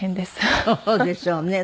そうでしょうね。